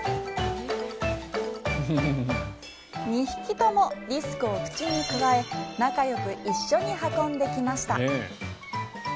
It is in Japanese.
２匹ともディスクを口にくわえ仲よく一緒に運んできました。